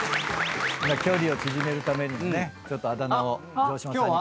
距離を縮めるためにもねちょっとあだ名を城島さんに。